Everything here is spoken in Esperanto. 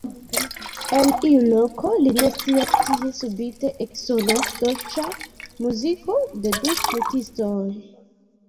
El iu loko, li ne scias kie, subite eksonas dolĉa muziko de du flutistoj.